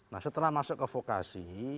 nah setelah masuk ke vokasi